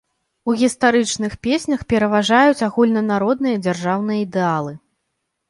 У гістарычных песнях пераважаюць агульнанародныя дзяржаўныя ідэалы.